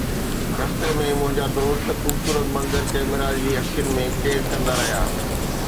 رستي ۾، منهنجا دوست خوبصورت منظر ڪئميرا جي اکين ۾ قيد ڪندا رهيا